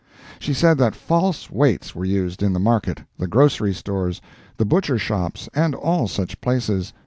She said that false weights were used in the market, the grocery stores, the butcher shops and all such places.